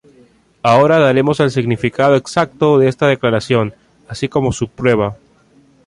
Ahora daremos el significado exacto de esta declaración así como su prueba.